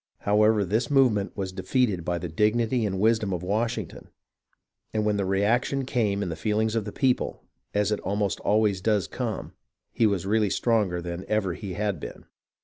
However, this movement was defeated by the dignity and wisdom of Washington, and when the reaction came in the feelings of the people, as it almost always does come, he was really stronger than ever he had been.